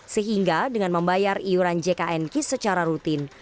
sehingga dengan membayar iuran jkn kis secara rutin